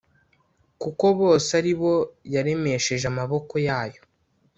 kuko bose ari bo yaremesheje amaboko yayo